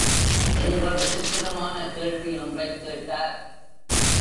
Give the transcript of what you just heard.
என்ற விசித்திரமான கேள்வி ஒன்றைக் கேட்டார்.